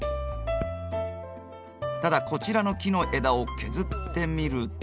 ただこちらの木の枝を削ってみると。